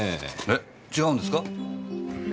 え違うんですか？